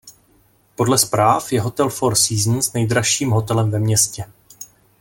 Podle zpráv je hotel Four Seasons nejdražším hotelem ve městě.